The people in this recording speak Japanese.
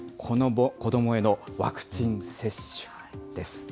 子どもへのワクチン接種です。